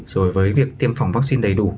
rồi với việc tiêm phòng vaccine đầy đủ